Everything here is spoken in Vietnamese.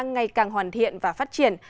ngày càng hoàn thiện và phát triển